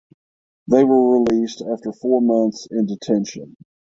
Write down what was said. They were released after four months in detention.